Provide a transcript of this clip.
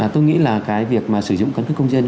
tôi nghĩ là cái việc sử dụng căn cức công dân